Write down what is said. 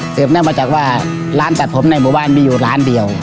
เนื่องมาจากว่าร้านตัดผมในหมู่บ้านมีอยู่ร้านเดียว